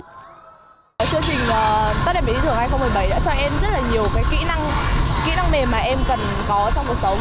chương trình tắt đèn bí thường hai nghìn một mươi bảy đã cho em rất nhiều kỹ năng mềm mà em cần có trong cuộc sống